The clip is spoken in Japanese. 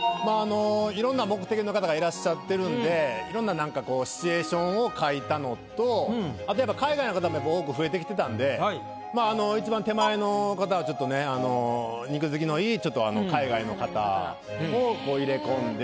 いろんな目的の方がいらっしゃってるんでいろんなシチュエーションを描いたのとあと。も多く増えてきてたんで一番手前の方はちょっとね肉づきのいい海外の方を入れ込んで。